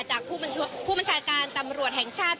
จากผู้บัญชาการตำรวจแห่งชาติ